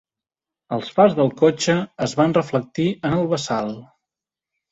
Els fars del cotxe es van reflectir en el bassal.